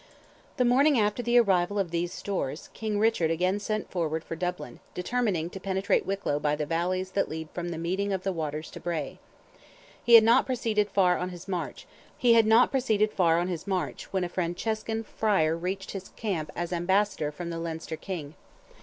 The morning after the arrival of these stores, King Richard again set forward for Dublin, determining to penetrate Wicklow by the valleys that lead from the Meeting of the Waters to Bray. He had not proceeded far on his march, when a Franciscan friar reached his camp as Ambassador from the Leinster King.